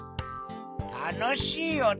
たのしいおと？